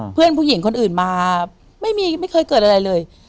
เพื่อนผู้หญิงคนอื่นมาไม่เคยเกิดอะไรเลย